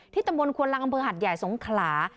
ตำบลควนลังอำเภอหัดใหญ่สงขลา